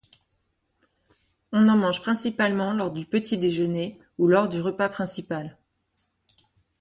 On en mange principalement lors du petit déjeuner, ou lors du repas principal.